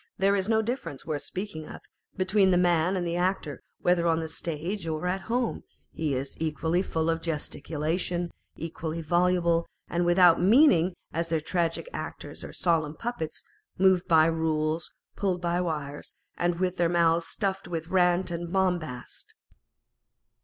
465 is no difference, worth speaking of, between the man and the actor â€" whether on the stage or at home, he is equally full of gesticulation, equally voluble, and without mean ingâ€" as their tragic actors are solemn puppets, moved by rules, pulled by wires, and with their mouths stuffed with rant and bombast.